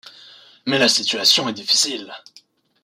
Mais la situation est difficile.